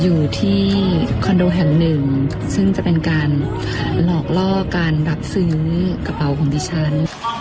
อยู่ที่คอนโดแห่งหนึ่งซึ่งจะเป็นการหลอกล่อการรับซื้อกระเป๋าของดิฉัน